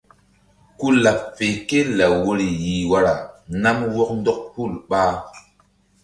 Ku laɓ fe ké law woyri yih wara nam wɔk ndɔk hul ɓa.